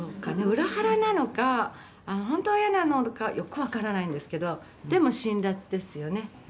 「裏腹なのか本当はイヤなのかよくわからないんですけどでも辛辣ですよね」